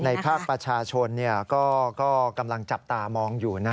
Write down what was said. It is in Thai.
ภาคประชาชนก็กำลังจับตามองอยู่